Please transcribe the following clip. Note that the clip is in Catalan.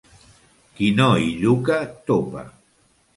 Qui no hi lluca, topa.